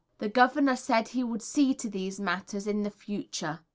The Governor said he would see to these matters in future.